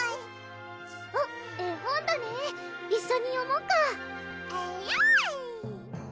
おっ絵本だね一緒に読もっかえるぅ！